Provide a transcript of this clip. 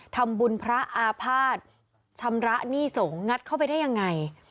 ทำบุญพระอาภาษณ์ชำระหนี้สงฆ์งัดเข้าไปได้ยังไง